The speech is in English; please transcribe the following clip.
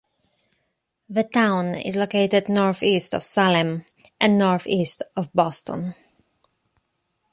The town is located northeast of Salem and northeast of Boston.